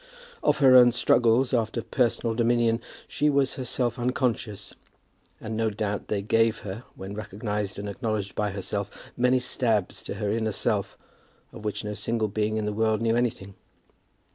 Of her own struggles after personal dominion she was herself unconscious; and no doubt they gave her, when recognized and acknowledged by herself, many stabs to her inner self, of which no single being in the world knew anything.